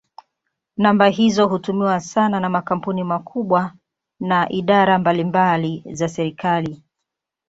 Namba hizo hutumiwa sana na makampuni makubwa na idara mbalimbali za serikali.